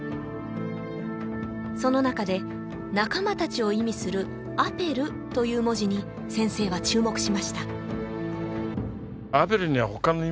その中で仲間達を意味するアペルという文字に先生は注目しました